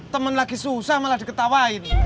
teman lagi susah malah diketawain